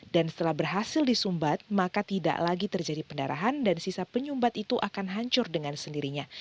dan setelah berhasil disumbat maka tidak lagi terjadi pendarahan dan sisa penyumbat itu akan hancur dengan sendirinya